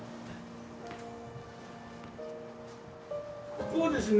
ここですね